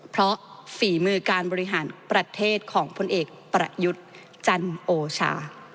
เพราะฝีมือการบริหารประเทศของพลเอกประยุทธ์จันโอชา